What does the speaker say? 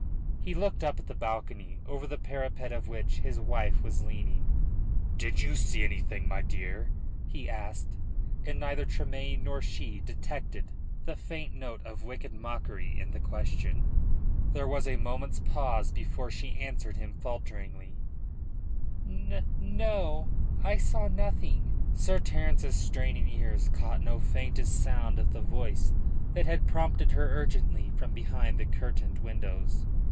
He looked up at the balcony, over the parapet of which his wife was leaning. "Did you see anything, my dear?" he asked, and neither Tremayne nor she detected the faint note of wicked mockery in the question. There was a moment's pause before she answered him, faltering: "N no. I saw nothing." Sir Terence's straining ears caught no faintest sound of the voice that had prompted her urgently from behind the curtained windows.